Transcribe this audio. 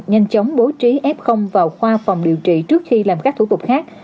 nhanh chóng bố trí f vào khoa phòng điều trị trước khi làm các thủ tục khác